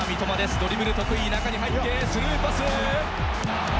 ドリブル得意中に入ってスルーパス。